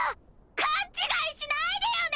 勘違いしないでよね！